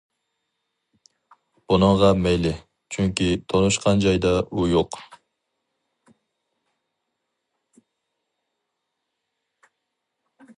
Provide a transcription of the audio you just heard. بۇنىڭغا مەيلى، چۈنكى تونۇشقان جايدا ئۇ يوق!